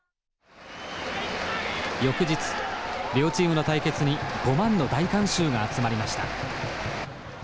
翌日両チームの対決に５万の大観衆が集まりました。